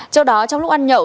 trong đó trong lúc ăn nhậu